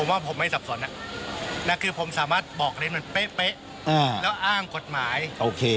ผมว่าผมไม่ซับสนอ่ะน่ะคือผมสามารถบอกเรียนเป๊ะเป๊ะอ่าแล้วอ้างกฎหมายโอเค